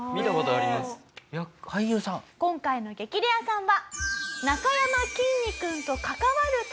今回の激レアさんは。